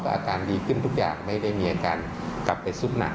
อาการดีขึ้นทุกอย่างไม่ได้มีอาการกลับไปสุดหนัก